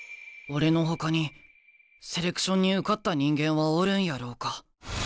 俺のほかにセレクションに受かった人間はおるんやろうか？